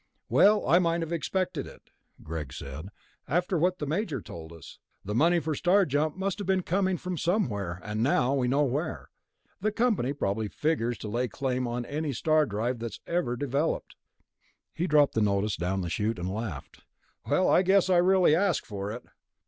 "Well, I might have expected it," Greg said, "after what the Major told us. The money for Star Jump must have been coming from somewhere, and now we know where. The company probably figures to lay claim on any star drive that's ever developed." He dropped the notice down the chute, and laughed. "I guess I really asked for it."